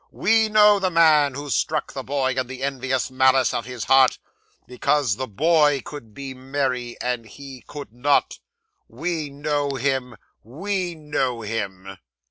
We know the man who struck the boy in the envious malice of his heart, because the boy could be merry, and he could not. We know him, we know him."